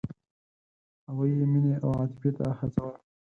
هغوی یې مینې او عاطفې ته هڅول.